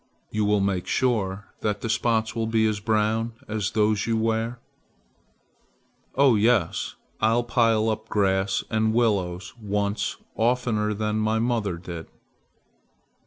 You will make sure that the spots will be as brown as those you wear." "Oh, yes. I'll pile up grass and willows once oftener than my mother did."